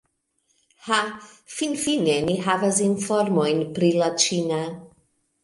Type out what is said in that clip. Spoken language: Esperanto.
Ha, finfine ni havas informojn pri la ĉina!